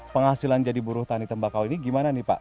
penghasilan jadi buruh tani tembakau ini gimana nih pak